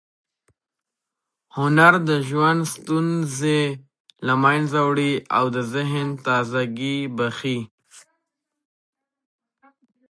هنر د ژوند ستوماني له منځه وړي او ذهن ته تازه ګۍ بښي.